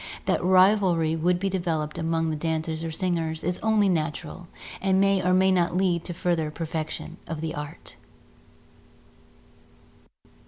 That rivalry would be developed among the dancers or singers is only natural and may or may not lead to further perfection of the art.